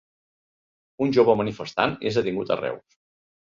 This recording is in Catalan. Un jove manifestant és detingut a Reus